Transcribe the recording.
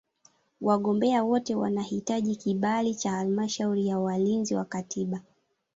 Wagombea wote wanahitaji kibali cha Halmashauri ya Walinzi wa Katiba.